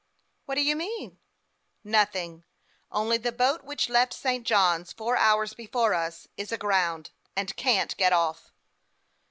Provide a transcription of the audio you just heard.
" What do you mean ?"" Nothing, only the boat which left St. Johns four hours before us is aground, and can't get off."